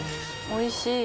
おいしい！